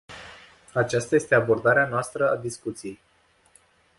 Aceasta este abordarea noastră a discuției.